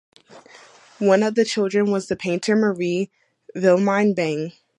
One of the children was the painter Marie Vilhelmine Bang.